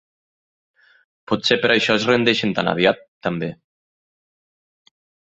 Potser per això es rendeixen tan aviat, també.